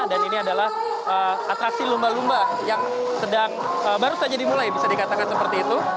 dan ini adalah atraksi lumba lumba yang baru saja dimulai bisa dikatakan seperti itu